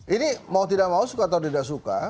ini mau tidak mau suka atau tidak suka